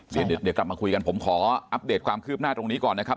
เดี๋ยวกลับมาคุยกันผมขออัปเดตความคืบหน้าตรงนี้ก่อนนะครับ